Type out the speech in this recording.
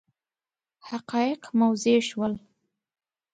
حقایق موضح شول.